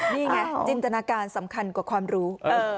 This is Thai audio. นี่ไงจินตนาการสำคัญกว่าความรู้